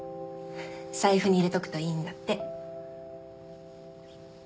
財布に入れとくといいんだって。